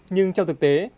nhưng trong thực tế